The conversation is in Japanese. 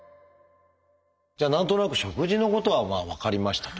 じゃあ何となく食事のことは分かりましたと。